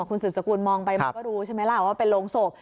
คุณศิษย์สกุลมองไปก็รู้ใช่ไหมล่ะว่าเป็นโลงศพ